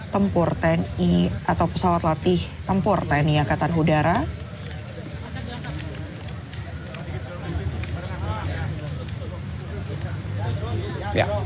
tempur tni atau pesawat latih tempur tni angkatan udara